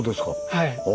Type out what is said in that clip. はい。